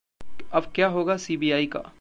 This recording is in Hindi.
अब क्या होगा सीबीआइ का?